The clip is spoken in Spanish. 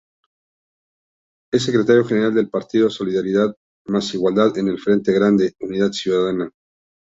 Es Secretario General del Partido Solidaridad más Igualdad en el Frente Grande, Unidad Ciudadana.